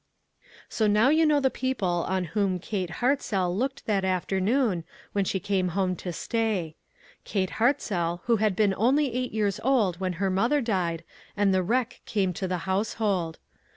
So now you know the people on whom Kate Hartzell looked that afternoon when she came home to stay. Kate Hartzell who had been only eight years old when her mother died and the wreck came to the household.